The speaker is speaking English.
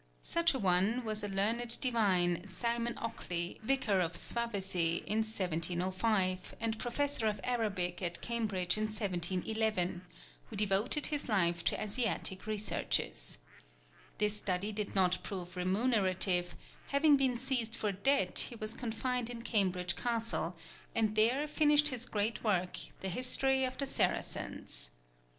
Such an one was a learned divine, Simon Ockley, Vicar of Swavesey in 1705, and Professor of Arabic at Cambridge in 1711, who devoted his life to Asiatic researches. This study did not prove remunerative; having been seized for debt, he was confined in Cambridge Castle, and there finished his great work, The History of the Saracens.